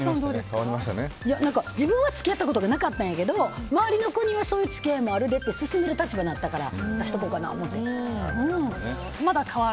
自分は付き合ったことがなかったんやけど周りの子にはそういう付き合いもあるでって勧める立場になったから出しとこうかなと思って。